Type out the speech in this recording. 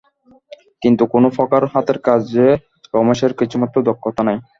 কিন্তু কোনোপ্রকার হাতের কাজে রমেশের কিছুমাত্র দক্ষতা নাই।